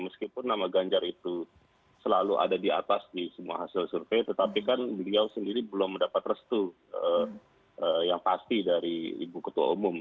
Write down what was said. meskipun nama ganjar itu selalu ada di atas di semua hasil survei tetapi kan beliau sendiri belum mendapat restu yang pasti dari ibu ketua umum